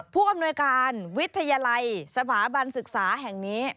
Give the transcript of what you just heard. ผู้อำนวยการวิทยาลัยสถาบันศึกษาแห่งนี้